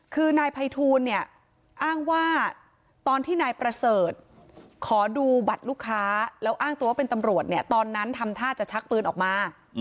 คือนายภัยทูลเนี่ยอ้างว่าตอนที่นายประเสริฐขอดูบัตรลูกค้าแล้วอ้างตัวว่าเป็นตำรวจเนี่ยตอนนั้นทำท่าจะชักปืนออกมา